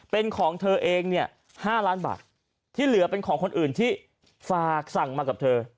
เป็นของเธอเองเนี่ย๕ล้านบาทที่เหลือเป็นของคนอื่นที่ฝากสั่งมากับเธอ